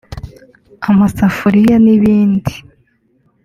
amasafuriya n’ibindi